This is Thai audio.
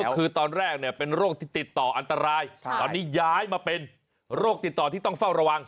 คือตอนแรกเป็นโรคที่ติดต่ออันตรายตอนนี้ย้ายมาเป็นโรคติดต่อที่ต้องเฝ้าระวัง